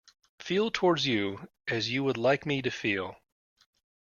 Feel towards you as you would like me to feel.